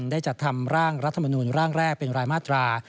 ได้จัดทำร่างรัฐมนูลร่างแรกเป็นรายมาตรา